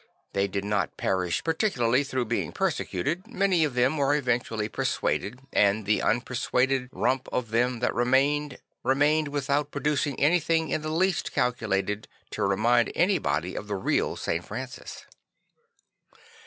They did not perish particularly through being persecuted; many of them \vere eventually persuaded; and the unpersuadable rump of them that remained remained without producing anything in the least calculated to remind anybody of the real St. Francis.